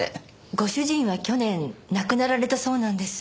ご主人は去年亡くなられたそうなんです。